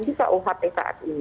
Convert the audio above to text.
di kuhp saat ini